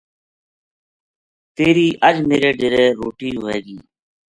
تیری اج میرے ڈیرے روٹی ہوے گی‘‘